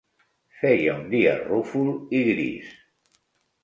Feia un dia rúfol i gris.